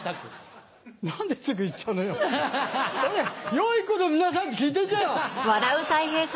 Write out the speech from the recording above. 「よい子の皆さん」って聞いてんだよ。ねぇ？